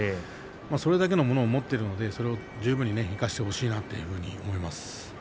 それだけのものを持っているので十分に生かしてほしいなと思います。